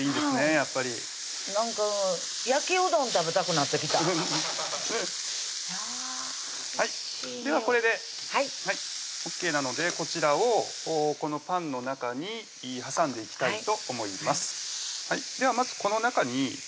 やっぱりなんか焼きうどん食べたくなってきたではこれでＯＫなのでこちらをこのパンの中に挟んでいきたいと思いますではまずこの中にトマトですね挟んでいきます